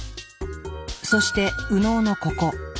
そして右脳のここ。